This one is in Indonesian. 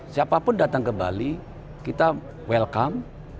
siapapun datang ke bali kita welcome